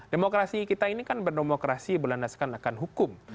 demokrasi kita ini kan berdemokrasi berlandaskan akan hukum